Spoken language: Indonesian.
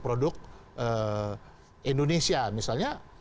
produk produk indonesia misalnya